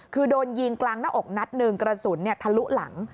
คือโดนยิงกลางหน้าอกนัดหนึ่งกระสุนทะลุหลัง